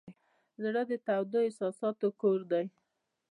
زړه د تودو احساساتو کور دی.